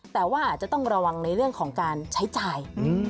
แต่ว่าอาจจะต้องระวังในเรื่องของการใช้จ่าย